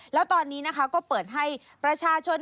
แล้วตอนนี้นะคะก็เปิดให้ประชาชน